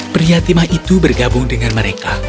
prihatimah itu bergabung dengan mereka